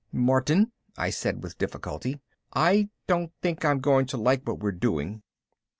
"Martin," I said with difficulty, "I don't think I'm going to like what we're doing."